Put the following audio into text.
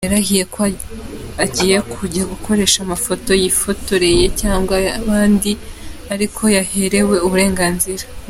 Yarahiye ko agiye kujya akoresha amafoto yifotoreye, cyangwa ay’abandi ariko yaherewe uburenganzira.